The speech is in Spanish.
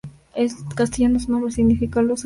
En castellano su nombre significa "Los Azules".